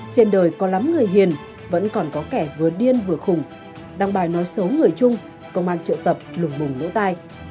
trên đời có lắm người hiền vẫn còn có kẻ vừa điên vừa khủng đăng bài nói xấu người chung công an triệu tập lùng bồng lỗ tai